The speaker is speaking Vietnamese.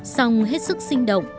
xong hết sức sinh động